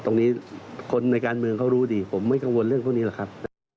ตรงนี้คนในการเมืองเขารู้ดีผมไม่กังวลเรื่องพวกนี้หรอกครับ